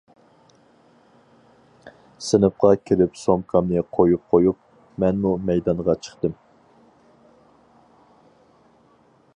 سىنىپقا كىرىپ سومكامنى قويۇپ قويۇپ، مەنمۇ مەيدانغا چىقتىم.